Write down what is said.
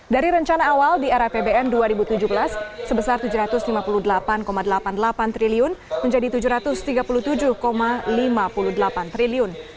dari rencana awal di era pbn dua ribu tujuh belas sebesar rp tujuh ratus lima puluh delapan delapan puluh delapan triliun menjadi rp tujuh ratus tiga puluh tujuh lima puluh delapan triliun